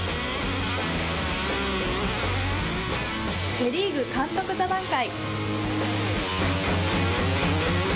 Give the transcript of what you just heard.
セ・リーグ監督座談会。